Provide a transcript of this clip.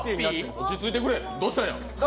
落ち着いてくれ、どうしたんや？